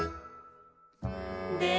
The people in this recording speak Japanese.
で